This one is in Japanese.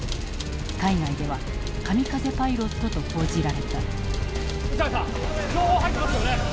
海外では「カミカゼパイロット」と報じられた。